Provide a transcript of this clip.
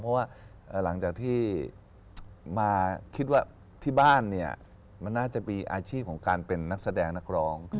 เพราะว่าหลังจากที่มาคิดว่าที่บ้านเนี่ยมันน่าจะมีอาชีพของการเป็นนักแสดงนักร้อง